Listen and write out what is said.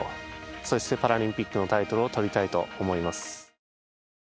そして、パラリンピックのタイトルをとりたいと思います。